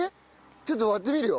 ちょっと割ってみるよ。